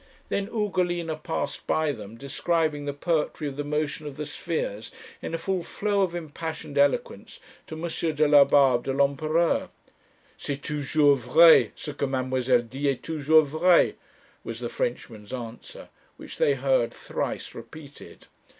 Then Ugolina passed by them describing the poetry of the motion of the spheres in a full flow of impassioned eloquence to M. Delabarbe de l'Empereur: 'C'est toujours vrai; ce que mademoiselle dit est toujours vrai,' was the Frenchman's answer, which they heard thrice repeated.